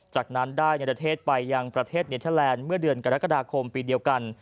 จากนั้นได้ในประเทศไปยังประเทศเนเทอร์แลนด์เมื่อเดือนกรกฎาคมปีเดียวกัน